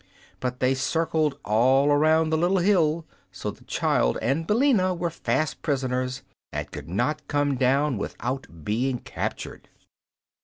But they circled all around the little hill, so the child and Billina were fast prisoners and could not come down without being captured.